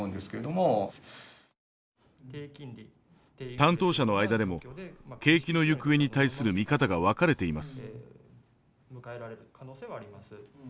担当者の間でも景気の行方に対する見方が分かれています。